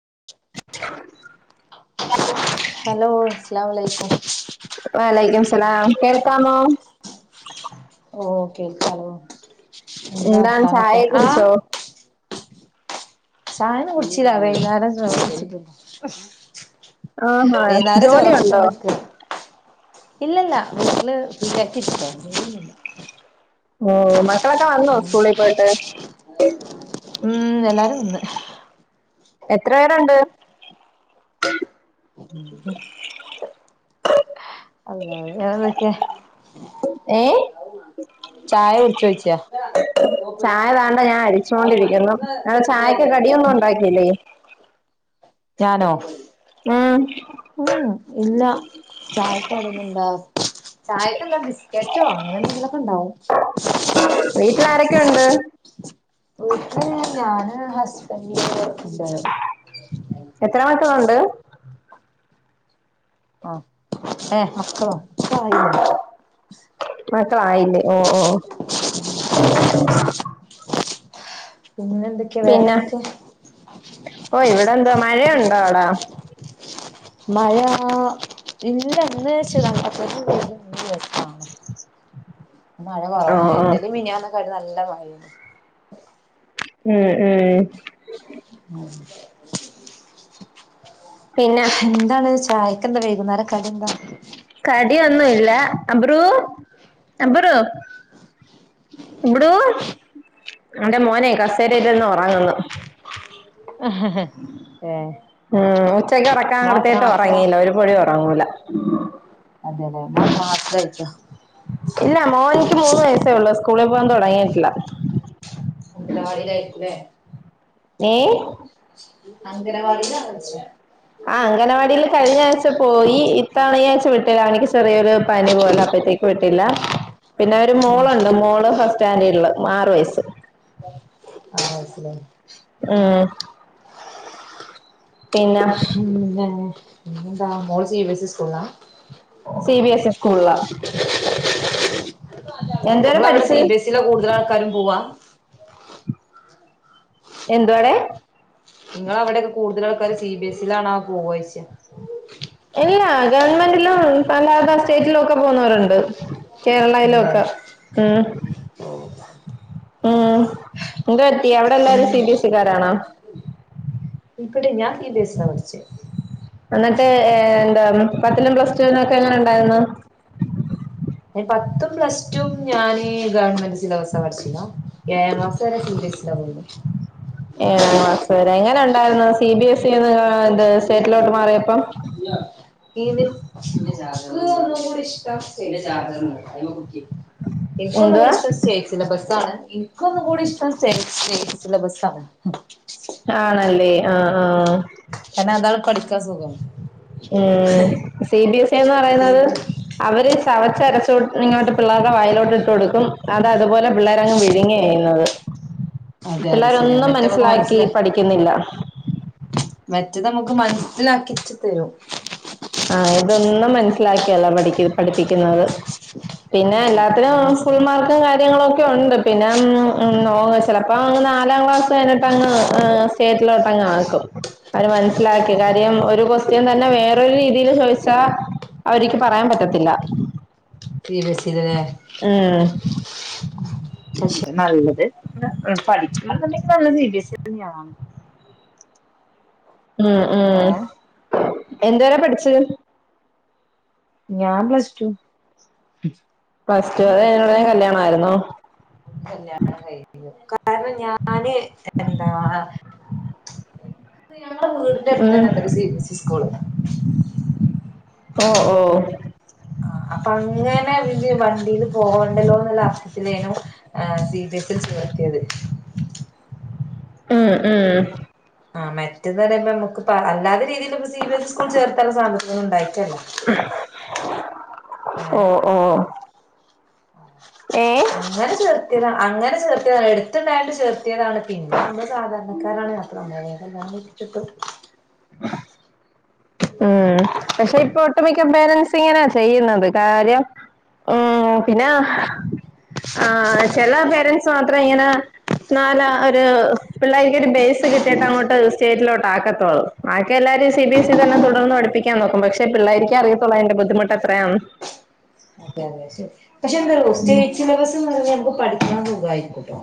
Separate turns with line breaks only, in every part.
[unintelligible] Hello അസ്ലൻവലയ്ക്കും
അസ്സലാം കേൾക്കാമോ
ഓ കേൾക്കാലോ എന്താ
എന്താണ് ചായ
വാർത്തനൊക്കെ
കുടിച്ചോ
ചായഒന്നും കുടിച്ചില്ല വൈുന്നേരം കുടിച്ചിട്ട [unintelligible]
ആഹാ
വൈന്നേരം
ജോലിയുണ്ടോ
ചോർവെയിച്ചോണ്ട് നിക്ക ഇല്ലല്ല വീട്ടില് [inaudible]
ഓ മക്കളൊക്കെ വന്നോ സ്കൂളിൽ പോയിട്ട്
ഉം
[unintelligible]
[unintelligible]
എത്ര പേരുണ്ട്
[unintelligible]
ഏ
ചായ കുടിച്ചോചോയിക്ക
ചായ താണ്ട ഞാൻ അരിച്ചോണ്ടി
ഞാനോ
ഉം
ഉം ഇല്ല ചായക്ക് [unintelligible] ചായക്ക് എന്താ ബിസ്ക്കറ്റോഅങ്ങനെ എന്തങ്കിലും ഒക്കെ ഇണ്ടാവും
വിട്ടിൽ ആരൊക്കെ ഉണ്ട്
വീട്ടിൽ ഞാൻ ഹസ്ബൻഡ് [inaudible]
എത്ര മക്കളുണ്ട്
ആ ഏ അപ്പള്ളോ അപ്പം ആയില്ല
മക്കളയില്ലേ ഓ ഓ
പിന്നെ എന്തൊക്കെയാ വേറെ
പിന്നെ
എന്തൊക്കെയാ
ഓ ഇവിടെ എന്തുവാ മഴയുണ്ടോ അവിടെ
മഴ ഇ [unintelligible] ഇല്ലന്ന് [unintelligible] വെച്ച [unintelligible] മഴ
ഓ
കുറവുണ്ട്
ഓ
ഇന്നലെയും മിനിയാന്നും ഒക്കെയായിട്ടു നല്ല മഴയാണ്
ഉം ഉം പിന്നെ
എന്താണ് ചായക്ക് ഇന്ന് വൈക്കുനേരം കടി എന്താ
കടിയൊന്നുല അബ്രു അബ്രു [unintelligible] എന്റെ മോനെ കസേരയിൽ ഇരിന്നു ഉറങ്ങുന്നു
ഏഹ്
ഉം ഉച്ചക്ക് ഒറക്കാൻ
മോൻ എത്രാം
കടിത്തീട്ട്
ക്ലാസ്സിലാ
ഒറങ്ങീല്ല ഒരു പൊടി ഒറങ്ങൂല
അതെലേ മോൻ എത്രാ [unintelligible]
ഇല്ല മോനിക്ക് മൂന്ന് വയസേ ഉള്ളു സ്കൂളിൽ പോകൻ തോടങ്ങിയിട്ടില്ല
ളിലായിരിക്കല്ലേ [unintelligible]
ഏ
അംഗനവാടീല് [unintelligible]
ആ അംഗനവാടീല് കഴിഞ്ഞ ആഴ്ച്ച പോയി ഇത്തവണ ഈ ആഴ്ച്ച വിട്ടില്ല അവനിക്ക് ചെറിയൊരു പനി പോല അപ്പഴ്ത്തേക്ക് വിട്ട് എല്ലാ പിന്നെ ഒരു
ഉം
മോളുണ്ട് മോള് ഫസ്റ്റ് സ്റ്റാൻഡേഡില് മ ആറു വയസ്സ്
ആറ് വയസ്സ് ലേ
ഉം പിന്നെ
[unintelligible] എന്താ മോള് സി ബി എസ് സി സ്‌കൂളിലാ?
സി ബി എസ് ഇ സ്കൂളിലാ എന്തുവരെ
ഇങ്ങളെ അവിടെ
പഠിച്ച്
സി ബി എസ് സിലാ കൂടുതൽ ആൾക്കാരും പോവാ
എന്തുവാടെ?
ഇങ്ങളെ അവിടെയൊക്കെ കൂടുതൽ ആൾക്കാര് സി ബി എ സിലാണോ പോവാ ചോയിച്ചേ
ഇല്ല ഗവൺമെന്റിലും അല്ലാതെ സ്റ്റേറ്റിലും ഒക്കെ പോന്നവരുണ്ട് കേരളായിലും
ഉണ്ടല്ലേ
ഒക്കെ ഉം ഉം എന്ത് പറ്റി അവിടെ എല്ലാരും സി ബി എസ് സിക്കാരാണോ
[unintelligible] ഞാൻ സി ബി എസിയിലാ പഠിച്ചേ
എന്നിട്ട് എ എന്താ പത്തിലും പ്ലസ്റ്റൂനുവൊക്കെ എങ്ങനെ ഉണ്ടായിരുന്നു?
പത്തും പ്ലസ് ടു ഞാൻ ഗവൺമെന്റ് സിലബസ് ദപഠിച്ചിത് ഏഴ് ക്ലാസ് വരെ സി ബി എ സി [unintelligible]
ഏഴാം ക്ലാസ്സ് വരെ എങ്ങനെ ഉണ്ടായിരരുന്നു സി ബി എസ് ഇന്ന് സ്റ്റേറ്റിലോട്ട്
[unintelligible] [unintelligible]
മാറിയപ്പോ എന്തുവാ
ഒന്നുകൂടെ സ്‌റ്റേറ്റ് സിലബസാ അതാണ് എനിക്ക് ഒന്നും കൂടി ഇഷ്ടം സ്റ്റേറ്റ് സിലബസാണ്
ആണല്ലേ ആഹ ആഹ
കസുഖം
ഉം സി ബി എസ് എന്ന് പറയുന്നത് അവര് ചവച്ചരച്ചോട്ട് ഇങ്ങോട്ട് പിള്ളേരുടെ വയലോട്ട് ഇട്ട് കൊടുക്കും അത് അതുപോലെ പിള്ളേര അങ്ങ് വിഴുങ്ങി കഴുന്നു
അതെ അതെ ശരിയാ
പിള്ളേരൊന്നും
മറ്റേ നമുക്ക്
മനസ്സിലാക്കി
മനസ്സിലായി
പഠിക്കുന്നില്ല
മറ്റത് നമുക്ക് മനസ്സിലാക്കിച്ച് തരും
ആഹ് ഇതൊന്നും മനസ്സിലാക്കിയല്ലാ പഠി പഠിപ്പിക്കുന്നത് പിന്നെ
അതെ അതെ ഇത്
എല്ലാത്തിനും
മനസ്സി
ഫുൾ മാർക്കും കാര്യങ്ങളും ഒക്കെ ണ്ട് പിന്നെ ചിലപ്പോ നാലാം ക്ലാസ് കഞ്ഞിട്ട്ങ്ങ് സ്റ്റേറ്റിലോട്ട്
അതെ അതെ
[unintelligible] ഒരു ക്വസ്റ്റ്യൻ തന്നെ വേറെ രീതിൽ ചോദിച്ചാ അവക്ക് പറയാൻ പറ്റത്തില്ല
സി ബി എസ് സി ല്ലേ
ഉം
ഉം നല്ലത് പഠിച്ചുണ്ടെങ്കിൽ നല്ലത് ബി ബി എസ് തന്നെയ ആണ്
ഉം ഉം
ഏഹ്
എന്ത വരാ പഠിച്ചത്
ഞാൻ പ്ലസ് ടു
പ്ലസ് ടു അത് ഓട കല്യാണ ആയിരുന്നോ
കല്യാണം കഴിഞ്ഞു കാരണം ഞാന് എന്താ ഞങ്ങളടെ വീടിന്റെ അടുത്ത്
ഉം
തന്നെ ഇണ്ട് ഒരു C B S C school
ഓ ഓ
അപ്പൊ അങ്ങനെ വണ്ടിൽ പോകണ്ടല്ലോ എന്നുള്ള അർത്ഥത്തിലേനും സി ബി എസ്ൽ ചേർത്തിയത് [inaudible]
ഉം ഉം
ആ മറ്റത് പറയുമ്പോ നമ്മക്ക് പാ. അല്ലാത രീതിയില് പ്പോ C B S C school ചേർത്താൻള്ള സാമ്പത്തികമൊന്നും ഉണ്ടായി ട്ടല്ല
ഓ ഓ ഏ
അങ്ങനെ ചേർത്തി അങ്ങനെ ചേർ എടുത്തുണ്ടായിണ്ട് ചേർത്തിയതാണ് പിന്നെ നമ്മള് സാധണക്കാരാണ് നമ്മ [unintelligible]
ഹും പക്ഷേ ഇപ്പോ ഒട്ട് മിക്ക പേരൻസ് ഇങ്ങനാ ചെയ്യുന്നത് കാര്യം. ഉം പിന്നാഹ് ആ ചെല പേരൻസ് മാത്രം ഇങ്ങനെ ന്നാല ഒരു പിള്ളേര്ക്കൊര് ബേസ് കിട്ടിട്ട് അങ്ങോട്ട് സ്റ്റേറ്റിലോട്ടാക്കത്തുള്ളു. ബാക്കി എല്ലാരും സി ബി എസ് ഇ തന്നെ തുടർന്ന് പഠിപ്പിക്കാൻ നോക്കും. പക്ഷേ പിള്ളേരിക്ക അറിയത്തുള്ളു അതിന്റെ ബുദ്ധിമുട്ട് എത്രയാന്ന്.
അതെ അതെ ശരി. പക്ഷേ എന്താറിയോ സ്റ്റേജ് സിലബസ്ന്ന് പറഞ്ഞാ നമ്മക്ക് പഠിക്കാൻ സുഖമായിരിക്കൂട്ടോ.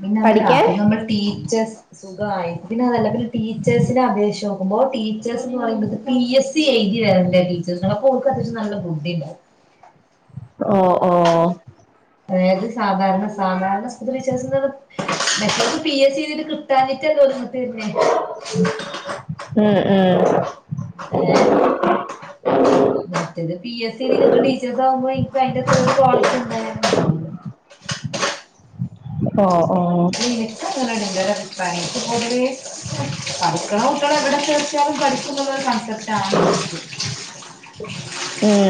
പിന്നെ അതല്ല
പഠിക്കാൻ
അത് നമ്മള് ടീച്ചേസ് സുഖമായി പിന്നെതല്ല. പിന്നെ ടീച്ചേഴ്സിനെ അപേക്ഷിച്ചു നോക്കുമ്പോ ടീച്ചേഴ്സ് എന്ന് പറയ പി എസ് സി എഴുതി വരണ ടീച്ചേഴ്സിന് അപ്പോ ഓരുക്ക് അത്യാവശ്യം നല്ല ബുദ്ധി ഉണ്ടാവും.
ഓ ഓ
അതായത് സാധാരണ സാധാരണ സ്പ്പാ ടീച്ചേഴ്സ്ന്ന് പറഞ്ഞാ മറ്റോരുക്ക് പി എസ് സി എഴുതിയിട്ട് കിട്ടാഞ്ഞിട്ടല്ലേ ഓരുക്ക്? പിന്നെ
ഉം ഉം
ഏ മറ്റേത് പി എസ് സി എഴുതി കിട്ടുന്ന ടീച്ചേഴ്സ് ആകുമ്പോ എനിക്കു അതിന്റെ ഒരു ക്വാളിറ്റിന്നേ ആ
ഓ ഓ
നിനക്കു അങ്ങനെടാ [unintelligible] ര അഭിപ്രായം [unintelligible] പഠിക്കണ കുട്ട്യാളാ എവിടെ ചേർത്ത്യാലും പഠിക്കും എന്നുള്ള കൺസെപ് റ്റാണ് ഇനിക്ക്.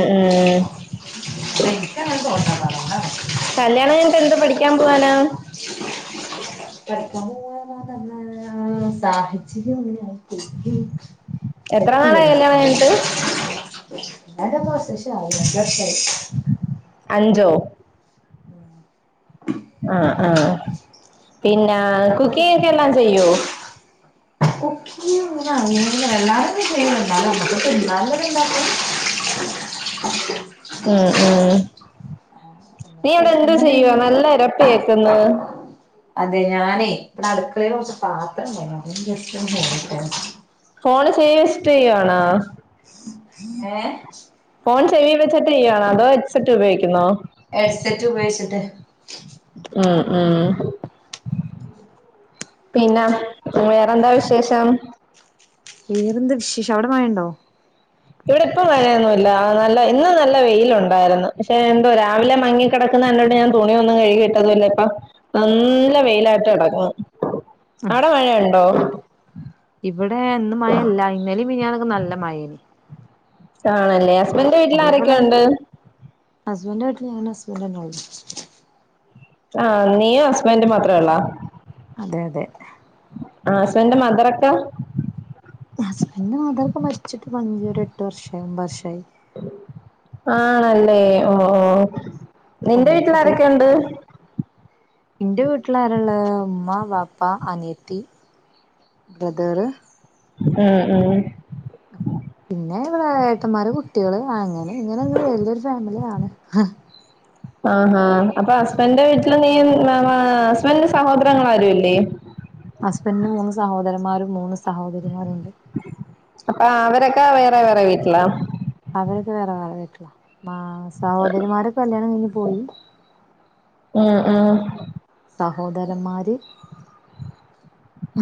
ഏ
അല്ല ഇനിക്ക് അങ്ങനെ തോന്നാട്ടോ അതോണ്ടാണ്
പ്പ എന്ത് പഠിക്കാൻ പോവാനാ?
പഠിക്കാൻ പൂവാനന്ന് പറഞ്ഞ സാഹചര്യം ഒന്നും [unintelligible]
എത്ര
പറ്റീല്ല
നാളായി കല്യാണം
പഠിക്കാന്
കഴിഞ്ഞിട്ട്
[unintelligible] അഞ്ച് വർഷായി.
അഞ്ചോ?
ഉം
ആ ആ പിന്നെ കുക്കിംങ്ങ് ഒക്കെ എല്ലാം ചെയ്യോ?
കുക്കിങ്ങ്ങനെ അങ്ങനെ എല്ലാതൊന്നും ചെയ്യൊന്നുല്ല്യ. നമ്മക്ക് തിന്നാൻള്ളത് ഇണ്ടാക്കും. ഓക്കെ
ഉം. ഉം. നീ അവിടെ എന്ത്
കുക്കിംഗ്
ചെയ്യുവാ
കൊണ്ട്
നല്ല എരപ്പ് കേ ക്കന്ന്
അതെ. ഞാനേ ഇടെ അടുക്കളെല് കൊറച്ച് പാത്രണ്ടെന്നൂ. അതൊന്ന് ജസ്റ്റ്‌ ഒന്ന് കഴ്‌കിക്കാനാ
ഫോണ് ചെയ്യ ഇഷ്ടു ചെയ്യാണോ
ഏ
ഫോൺ ചെവി വെച്ചട്ടീയാണോ? അതോ ഹെഡ് സെറ്റ് ഉപയോഗിക്കുന്നോ?
ഹെഡ്സെറ്റ് ഉപയോഗിച്ചിട്ട്
ഉം ഉം
ഉ
പിന്നെ വേറെന്താ വിശേഷം?
വിശേഷ അവടെ മഴേണ്ടോ?
ഇവിടെ ഇപ്പ മഴയൊന്നുമില്ല. നല്ല ഇന്നു നല്ല വെയിലൊണ്ടായിര്ന്നു. പഷെ എന്തോ രാവിലെ മങ്ങികെടക്ക ന്ന്ണ്ട്ട്ട് ഞാൻ തുണി ഒന്നും കഴുകിട്ടതുല്ല ഇപ്പം നല്ല വെയിലായിട്ട് കെടക്കുവ. ആടെ മഴേണ്ടോ?
അതെ ഇവിടെ ഇന്ന് മഴല്ല ഇന്നലിം മിനിഞ്ഞാന്നൊക്കെ നല്ല മഴേനി.
ആണല്ലേ ഹസ്ബന്റെ വീട്ട്ല് ആരൊക്കെ ഒണ്ട്?
എൻ്റെ വീട്ടില് ഞാനും ഹസ്ബെൻഡും ന്നെ ഒള്ളു
ആഹ നീ ഹസ്ബന്റും മാത്രെ ഒള്ളോ?
അതെ അതെ.
ആസ്ബന്റെ മദറൊക്കെ?
ഹസ്ബന്റെ മാതറ്പ്പൊ മരിച്ചിട്ട് പ ഒരു എട്ട് വർഷയി ഒമ്പർഷയി.
ആണല്ലെ ഓഓ ഓ നിന്റെ വീട്ട്ല് ആരൊക്കെ ഒണ്ട്?
ന്റെ വീട്ടിലരള്ളെ ഉമ്മ വാപ്പ അനിയത്തി. ബ്രെദറ്?
മ് മ്
പിന്നെ ഇവിടെ ഏട്ടന്മാരെ കുട്ടികള് അങ്ങനെ ഇങ്ങനെ ഒരു വലിയൊരു ഫാമിലിയാണ്
ആഹാ അപ്പൊ ഹസ്ബൻന്റെ വീട്ട്ല് നീ മി മ ഹസ്ബൻഡന്റെ സഹോദരങ്ങൾ ആരുല്ലേ?
ഹസ്ബന്റിന് മൂന്ന് സഹോദരന്മാരും മൂന്ന് സഹോദരിമാരും ഉണ്ട്.
അപ്പ അവരൊക്കെ വേറെ വേറെ വീട്ടിലാ?
അവരൊക്കെ വേറെ വേറെ വീട്ട്ല മ സഹോദരിമാരൊക്കെ കല്യാണം കയ്ഞ്ഞ് പോയി
ആ ആ
സഹോദരന്മാര്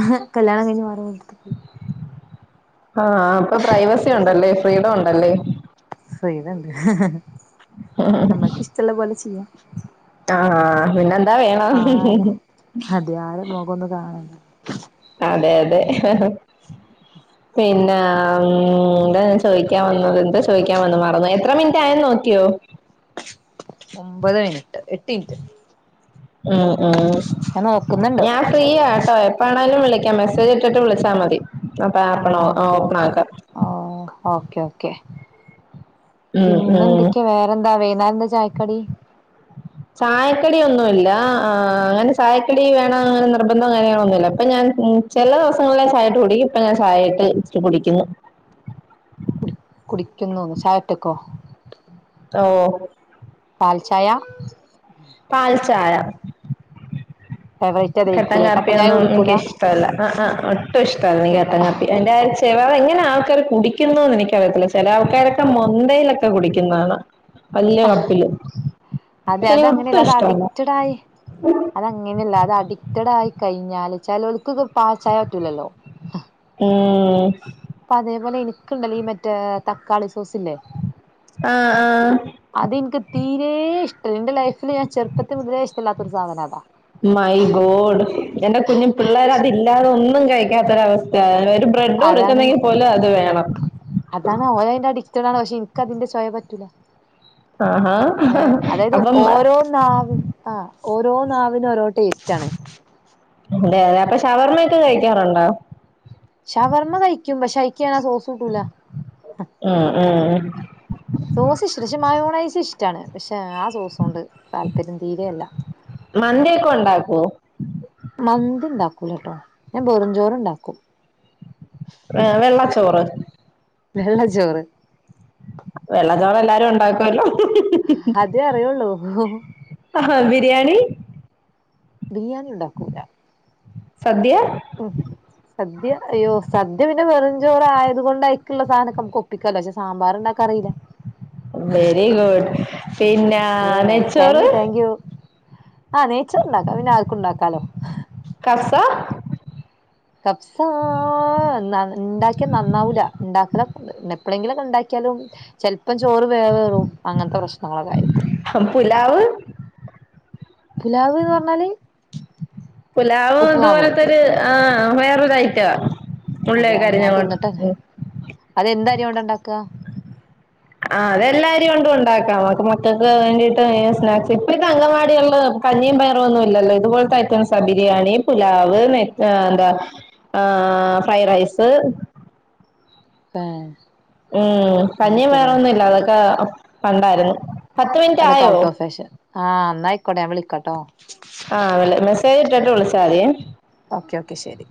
ഹ് കല്യാണം കഴിഞ്ഞ് വേറെ വീട് എട്ത്ത് പോയി.
ആഹ അപ്പൊ പ്രൈവസി ഒണ്ടല്ലേ ഫ്രീഡം ണ്ടല്ലേ?
ഫ്രീഡണ്ട് ഹ് ഹ് ഹ് ഞമ്മക്ക് ഇഷ്ട്ടള്ള പോലെ ചെയ്യാ.
ആഹ് പിന്നെന്താ വേണം
ആരെ അതയാ അര [unintelligible]
അതെ അതെ ഹ് ഹ്. പിന്നെ മ് ന്താ ഞ ചോയ്ക്കാ വന്നത് എന്താ ചോദിക്കാ വന്നെ മറന്നോ യി എത്ര മിനിറ്റ് ആയൊന്ന് നോക് ക്ക്യോ?
ഒമ്പത് മിനിട്ട് എട്ട് ഇൻറ്റ്.
ആ ആ
നോക്കുന്നുണ്ട്
ഞാൻ ഫ്രീയാട്ടോ എപ്പ ആ ലും വിളിക്കാം മെസേജ് ഇട്ടിട്ട് വിളിചാ മതി. അപ്പൊ
ആ
ആപ്പ്
ഓക്കെ
ഓപ്പൺ
ഓക്കെ
ആക്കാം
ആ ഓക്കെ ഓക്കെ.
ഉം
പിന്നെ
ഉം
എന്തൊക്ക്യ വേറെന്താ വെയ്ന്നേര്ന്താ ചായക്കടി?
ചായക്കടിന്നുല്ല ആ അങ്ങനെ ചായക്കടി വേണന്ന് നിർബന്ധോ കാര്യങ്ങളൊന്നുല്ല ഇപ്പ ഞാൻ ചെല ദേവസങ്ങളെ ചായട്ട് കുടികും ഇപ്പ ഞൻ ചായ ചായട്ട് ഇട്ട് ഇച്ചിരി കുടിക്കുന്നു
കുടി കുടിക്കുന്നുന്നോ ചായ റ്റക്കോ?
ഓ
പാൽ ചായ?
പാൽ ചായ.
ഫേവറേറ്റ്
കട്ടൻ
അതായിരിക്കൂലേ ചായ
കാപ്പിയൊന്നും
കുടിക്കൂല
എനിക്ക് ഇഷ്ടല്ല ആ ആ ഒട്ടും ഇഷ്ടല്ല എനിക്ക് കട്ട കാപ്പി എന്റെ അച്ച [unintelligible] എങ്ങനെ ആൾക്കാര് കുടിക്കുന്നുന്ന് എനിക്കറിയത്തില്ല ചെല ആൾക്കാര് ക്കെ മോന്തയിലൊക്കെ കുടിക്കന്നാണാം. വല്ല്യ കപ്പില്.
അതെ
പക്ഷെ എനിക്ക് ഒട്ടും
അതങ്ങനെയല്ല അത്
ഇഷ്ടമല്ല
അഡിക്റ്റടാ യി അതങ്ങനെല്ല അത് അടി ടായി കഴിഞ്ഞാല് ചേലോൽക് ത് പാൽ ചായ പറ്റൂലല്ലോ
മ്
പ്പ അതേപോലെ എനിക്ക്ണ്ടല്ലോ ഈ മറ്റേ തക്കാളി സ് സോസില്ലെ
ആ ആ
അത് ന്ക്ക് തീരെ ഇഷ്ടല്ല ന്റെ ലൈഫ ഞാൻ ചെറുപ്പത് മുതലെ ഇഷ്ട്ടല്ലാ തൊര് സാധന താ.
മൈ ഗോഡ് എന്റെ കുഞ്ഞു പിള്ളേര് അതില്ലാതെ ഒന്നും കഴിക്കത്തൊരവസ്ഥയാ ബ്രെഡ്
അതാണ്
കൊടുക്കുന്നെങ്കി പോലും അത് വേണം.
ഇൻക്ക് അതിന്റെ ചൊയ പറ്റൂല.
ആഹഹാ
ഏ അതായത് ഓരോ നാവിൻ ആ ഓരോ നാവിനും ഓരോ ടേസ്റ്റാണ്
അതെ അതെ അപ്പൊ ഷവർമ്മയൊക്കെ കഴിക്കാറുണ്ടോ
ഷവർമ്മ കഴിക്കും പഷേ അയ്ക്യാണ സോ ട്ടൂല
ഉം ഉം
സോസ് ഷ് മായോണേയ്സ് ഇഷ്ടാണ് പക്ഷെ ആ സോസോണ്ട് താല്പര്യം തീരെ അല്ല
ഉം
മന്തി ഉണ്ടാക്കൂല കേട്ടോ ഞാൻ ബെറുംചോറ് ഉണ്ടാക്കും
വെള്ളച്ചോറ്
നല്ല ചോറ്
വെള്ളച്ചോറ് എല്ലാരും ഉണ്ടാക്കുവല്ലോ
അതെ അറിയുള്ളൂ
ആഹ് ബിരിയാണി
ബിരിയാണിണ്ടാക്കൂല
സദ്യ
ഉം സദ്യ അയ്യോ സദ്യ പിന്നെ വെറും ചോറ ആയത് കൊണ്ട് അയക്കുള്ള സാധനൊക്കെ ന ഒപ്പിക്കാല്ലോ പക്ഷെ സാമ്പാറണ്ടാക്കാ അറിയില്ല
വെരി ഗുഡ്
[unintelligible]
പിന്നെ
യാ
നെയ്ച്ചോറ്
താങ്ക്യു താങ്ക്യു ആഹ് നെയ്ച്ചോറ് ഉണ്ടാക്കാം പിന്നെ ആർക്കും ഉണ്ടാക്കാലോ
കഫ്സ
കപ്സ ഉണ്ടാക്കിയ നന്നാവൂല ഉണ്ടാക്കലൊ പിന്നെ എപ്പോഴെങ്കിലൊക്കെ ഉണ്ടാക്കിയാലും ചെലപ്പം ചോറ് വേവ് ഏറും അങ്ങനത്തെ പ്രശ്നങ്ങളൊക്കെ ആയിരിക്കും
പുലാവ്
പുലാവ് എന്ന് പറഞ്ഞാല്
പുലാവും
ഉപ്പുമാവോ
ഇതുപോലത്തരു ആഹ് വേറൊരു ഐറ്റവാ
അതാ ഞാൻ തിന്നിട്ട അതെന്തരി കൊണ്ടാ ഉണ്ടാക്ക
ആ അതെല്ലാ അതി കൊണ്ടും ഉണ്ടാക്കാം മ മക്കൾക്ക് വേണ്ടിട്ട് സ്നാക്സ് ഇപ്പഴത്തെ അങ്കനവാടികളില് കഞ്ഞിയും പയറ് ഒന്നും ഇല്ലല്ലോ ഇതുപോലത്തെ ഐറ്റംസ ബിരിയാണി പുലാവ് എന്താ ആ ഫ്രൈഡ് റൈസ്
ഉം ആഹ്
ഉം കഞ്ഞിയും വേറെൊന്നുമല്ല അതൊക്കെ പണ്ടായിരുന്നു പത്ത്
യി
മിനിറ്റ്
അതൊക്കെ
ആയോ
ഔട്ട് ഓഫ് ഫാഷൻ ആഹ് ന്നായിക്കോട്ടെ ഞൻ വിളിക്കോട്ടോ
ട്ട് വിളിച്ചാൽ മതിയേ
ഓക്കേ ഓക്കെ ശരി